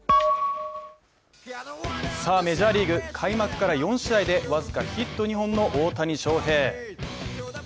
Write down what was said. さあ、メジャーリーグ、開幕から４試合で僅かヒット２本の大谷翔平。